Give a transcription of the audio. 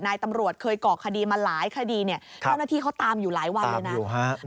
นายตำรวจเคยก่อคดีมาหลายคดีเนี่ยเจ้าหน้าที่เขาตามอยู่หลายวันเลยนะ